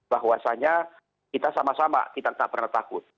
bahwasannya kita sama sama kita tak pernah takut